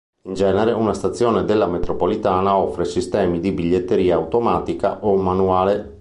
In genere, una stazione della metropolitana offre sistemi di biglietteria automatica o manuale.